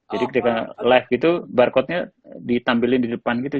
jadi ketika live gitu barcodenya ditampilin di depan gitu